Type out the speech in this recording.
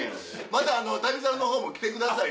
また『旅猿』の方も来てくださいね。